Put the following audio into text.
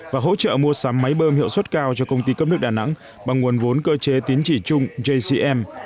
và hỗ trợ mua sắm máy bơm hiệu suất cao cho công ty cấp nước đà nẵng bằng nguồn vốn cơ chế tín chỉ chung jcm